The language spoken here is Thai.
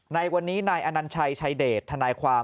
ในวันนี้นายอนัญชัยชายเดชทนายความ